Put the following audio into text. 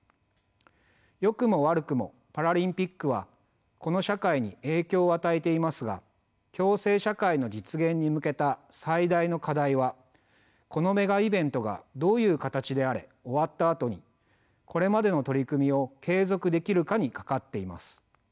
よくも悪くもパラリンピックはこの社会に影響を与えていますが共生社会の実現に向けた最大の課題はこのメガイベントがどういう形であれ終わったあとにこれまでの取り組みを継続できるかにかかっています。